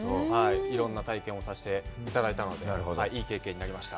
いろんな体験をさしていただいたので、いい経験になりました。